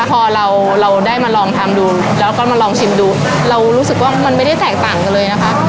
พอเราเราได้มาลองทำดูแล้วก็มาลองชิมดูเรารู้สึกว่ามันไม่ได้แตกต่างกันเลยนะคะ